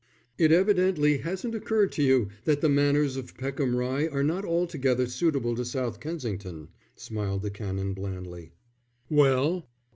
"It evidently hasn't occurred to you that the manners of Peckham Rye are not altogether suitable to South Kensington," smiled the Canon, blandly. "Well?"